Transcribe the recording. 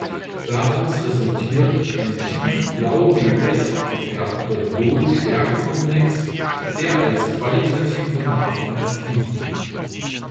Daraus resultiert ein tief blau-violett gefärbter Iod-Stärke-Komplex, der als qualitativer Nachweis dient.